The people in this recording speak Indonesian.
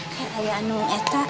kayak ayah anu eta